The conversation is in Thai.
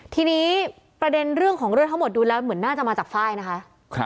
ทีนี้ประเด็นเรื่องของเรื่องทั้งหมดดูแล้วเหมือนน่าจะมาจากไฟล์นะคะ